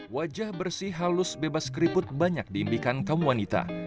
wajah bersih halus bebas keriput banyak diimpikan ke wanita